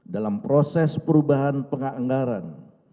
dalam proses perubahan penganggaran